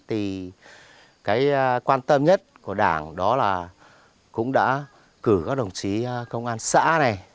thì cái quan tâm nhất của đảng đó là cũng đã cử các đồng chí công an xã này